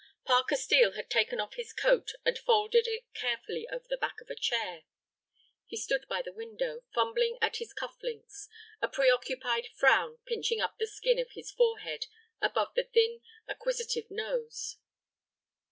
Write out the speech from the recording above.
Parker Steel had taken off his coat and folded it carefully over the back of a chair. He stood by the window, fumbling at his cuff links, a preoccupied frown pinching up the skin of his forehead above the thin, acquisitive nose.